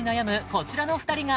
こちらの２人が体験